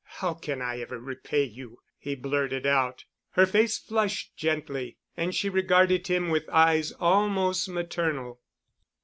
"How can I ever repay you?" he blurted out. Her face flushed gently and she regarded him with eyes almost maternal.